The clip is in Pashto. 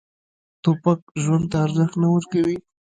توپک ژوند ته ارزښت نه ورکوي.